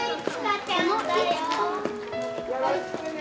よろしくね。